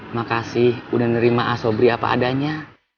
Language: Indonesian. makasih udah nerima ah sobri apa adanya